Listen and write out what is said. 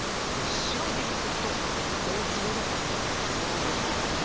白い葱って太いんで大粒の雨のイメージ。